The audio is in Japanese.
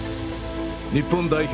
日本代表